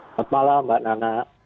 selamat malam mbak nana